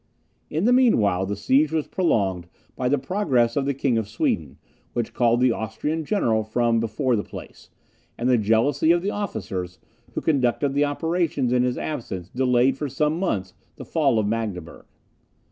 In the meanwhile, the siege was prolonged, by the progress of the King of Sweden, which called the Austrian general from before the place; and the jealousy of the officers, who conducted the operations in his absence, delayed, for some months, the fall of Magdeburg.